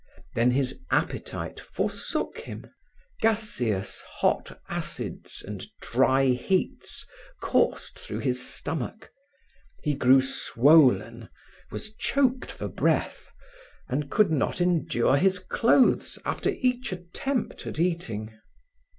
Then his appetite forsook him; gaseous, hot acids and dry heats coursed through his stomach. He grew swollen, was choked for breath, and could not endure his clothes after each attempt at eating.